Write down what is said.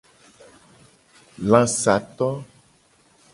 Lasato.